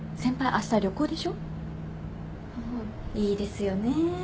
いいですよね